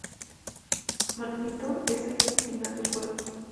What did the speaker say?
Magneto es el Jefe final del juego.